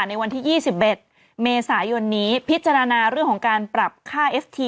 ในวันที่๒๑เมษายนนี้พิจารณาเรื่องของการปรับค่าเอฟที